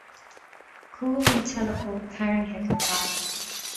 Cuaillí teileafóin tarraingthe go talamh.